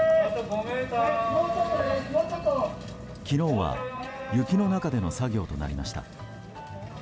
昨日は雪の中での作業となりました。